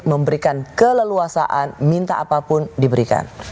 memberikan keleluasaan minta apapun diberikan